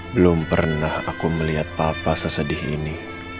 belum pernah aku melihat papa sesedih ini